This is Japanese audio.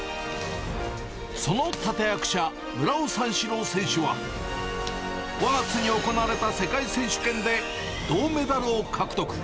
その立て役者、村尾三四郎選手は、５月に行われた世界選手権で銅メダルを獲得。